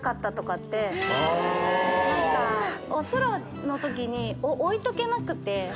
お風呂の時に置いとけなくて。